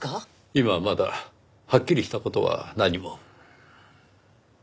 今はまだはっきりした事は何も。